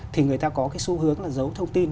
thì người ta có cái xu hướng là giấu thông tin